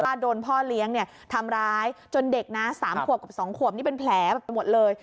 ป้าโดนพ่อเลี้ยงทำร้ายจนเด็ก๓ขวบ๒ขวบเป็นแผลหมดเลย